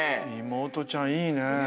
妹ちゃんいいね。